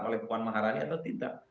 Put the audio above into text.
oleh puan maharani atau tidak